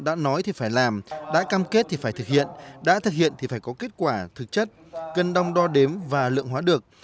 đã nói thì phải làm đã cam kết thì phải thực hiện đã thực hiện thì phải có kết quả thực chất cân đong đo đếm và lượng hóa được